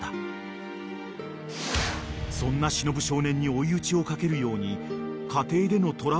［そんな忍少年に追い打ちをかけるように］